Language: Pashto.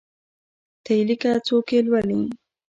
ته یی لیکه څوک یي لولﺉ